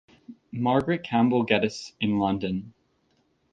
Margaret Campbell-Geddes in London.